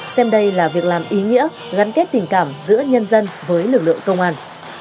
xem đây là việc làm ý nghĩa gắn kết tình cảm giữa nhân dân với lực lượng công an